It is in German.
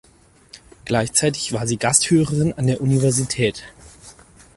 Gleichzeitig war sie Gasthörerin an der Universität.